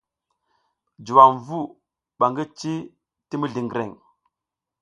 Juwam vu ɓa ngi ci tir mizliŋgreŋ.